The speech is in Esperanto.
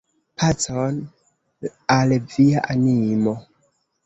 Pacon al via animo!